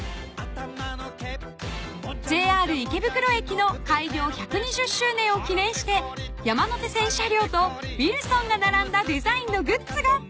［ＪＲ池袋駅の開業１２０周年を記ねんして山手線車両とウィルソンがならんだデザインのグッズが登場］